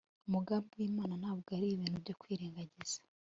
umugambi w'imanantabwo ari ibintu byo kwirengagiza